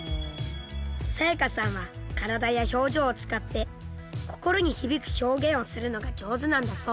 彩夏さんは体や表情を使って心に響く表現をするのが上手なんだそう。